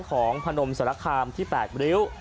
พนมสารคามที่๘ริ้ว